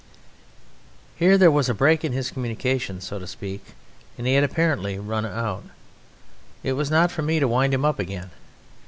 Here there was a break in his communications, so to speak, and he had apparently run out. It was not for me to wind him up again.